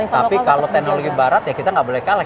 tapi kalau teknologi barat ya kita nggak boleh kalah